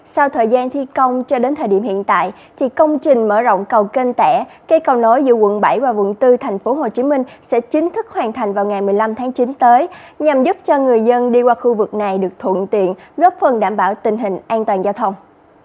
sau thời gian thi công cho đến thời điểm hiện tại thì công trình mở rộng cầu kênh tẻ cây cầu nối giữa quận bảy và quận bốn tp hcm sẽ chính thức hoàn thành vào ngày một mươi năm tháng chín tới nhằm giúp cho người dân đi qua khu vực này được thuận tiện góp phần đảm bảo tình hình an toàn giao thông